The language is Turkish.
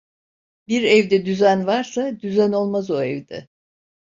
Bir evde düzen varsa düzen olmaz o evde.